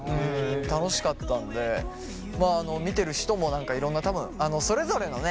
楽しかったんで見てる人も何かいろんな多分それぞれのね